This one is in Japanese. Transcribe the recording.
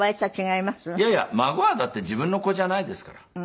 いやいや孫はだって自分の子じゃないですから。